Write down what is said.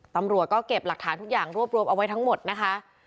ตำรวจก็เก็บหลักฐานทุกอย่างรวบรวมเอาไว้ทั้งหมดนะคะ